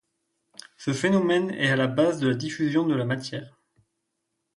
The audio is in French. Ce phénomène est à la base de la diffusion de la matière.